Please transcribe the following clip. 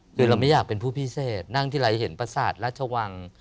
คือเราไม่อยากเป็นผู้พิเศษนั่งทีไรเห็นประสาทราชวัง